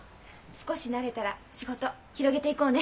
少し慣れたら仕事広げていこうね！